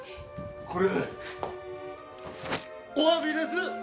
これおわびです！